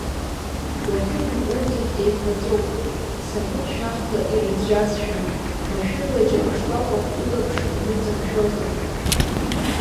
Уахынла урҭ зегьы еиқәаҵәоуп, сапын шәахла ирыӡәӡәазшәа машәырла џьара шкәакәак улаԥш иныҵамшәозар.